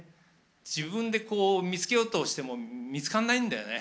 自分で、こう見つけようとしても見つかんないんだよね。